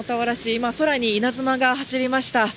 今、空に稲妻が走りました。